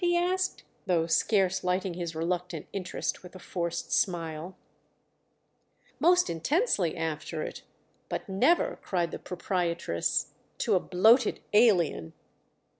he asked—though scarce lighting his reluctant interest with a forced smile. "Most intensely after it. But never," cried the proprietress, "to a bloated alien!"